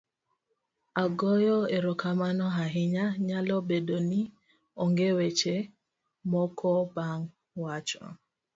agoyo erokamano ahinya. nyalo bedo ni onge weche moko bang' wacho